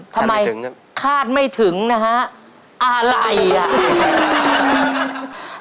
ทำไมถึงคาดไม่ถึงนะฮะอะไรอ่ะ